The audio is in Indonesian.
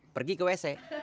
pergi ke wc